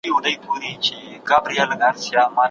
هغه وویل چې دا د کاروونکو لپاره اسانه دی.